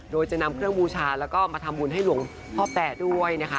โดยจะนำเครื่องบูชาแล้วก็มาทำบุญให้หลวงพ่อแปะด้วยนะคะ